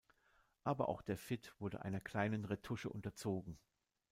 Aber auch der Fit wurde einer kleinen Retusche unterzogen.